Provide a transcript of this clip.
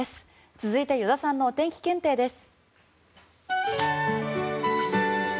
続いて依田さんのお天気検定です。